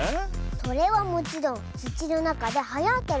それはもちろんつちのなかではやってるきょくだズー。